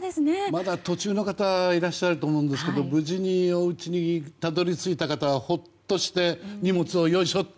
まだ途中の方もいらっしゃると思うんですけど無事におうちにたどり着いた方はほっとして荷物を、よいしょ！って